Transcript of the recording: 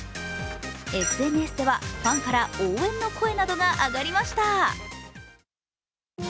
ＳＮＳでは、ファンから応援の声などが上がりました。